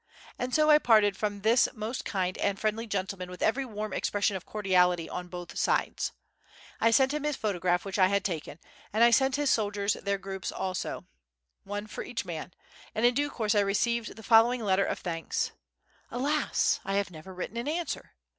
And so I parted from this most kind and friendly gentleman with every warm expression of cordiality on both sides. I sent him his photograph which I had taken, and I sent his soldiers their groups also—one for each man—and in due course I received the following letter of thanks. Alas! I have never written in answer.